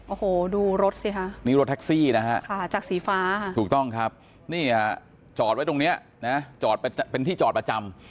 โอ้โหดูรถสิคะนี่รถแท็กซี่นะฮะค่ะจากสีฟ้าถูกต้องครับนี่ฮะจอดไว้ตรงนี้นะจอดเป็นที่จอดประจำ